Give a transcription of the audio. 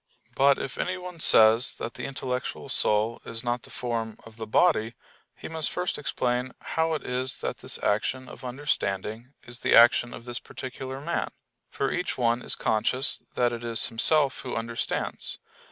But if anyone says that the intellectual soul is not the form of the body he must first explain how it is that this action of understanding is the action of this particular man; for each one is conscious that it is himself who understands.